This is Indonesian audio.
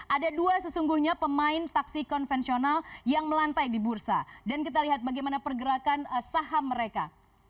ada dua sesungguhnya pemain taksi konvensional yang melantai di bursa dan kita lihat bagaimana pergerakan saham mereka